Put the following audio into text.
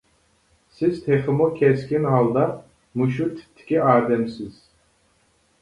سىز تېخىمۇ كەسكىن ھالدا مۇشۇ تىپتىكى ئادەمسىز.